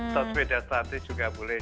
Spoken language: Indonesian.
sosmeda statis juga boleh